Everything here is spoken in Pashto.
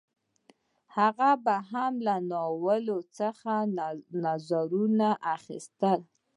هغه به هم له ناولونو څخه نظرونه اخیستل